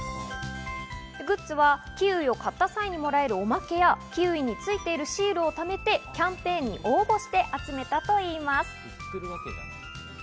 グッズはキウイを買った際にもらえるおまけやキウイについているシールを貯めてキャンペーンに応募して集めたといいます。